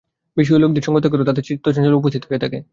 বিষয়ী লোকদের সঙ্গ ত্যাগ কর, তাতে চিত্তচাঞ্চল্য উপস্থিত হয়ে থাকে।